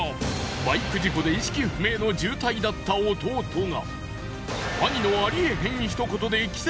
バイク事故で意識不明の重体だった弟が。